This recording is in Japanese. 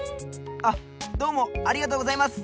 あっどうもありがとうございます。